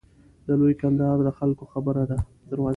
د لوی کندهار د خلکو خبره ده.